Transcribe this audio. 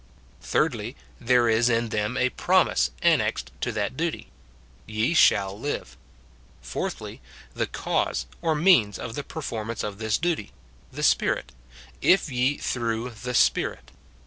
Thirdly, There is in them a promise annexed to that duty: "Ye shall live." Fourthly, The cause or means of the performance of this duty, — the Spirit: "If ye through the Spirit."